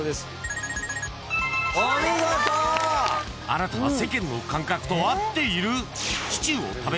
あなたは世間の感覚と合っている？